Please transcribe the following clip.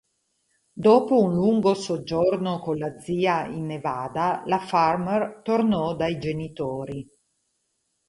Dopo un lungo soggiorno con la zia in Nevada, la Farmer tornò dai genitori.